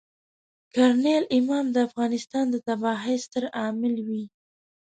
کرنل امام د افغانستان د تباهۍ ستر عامل وي.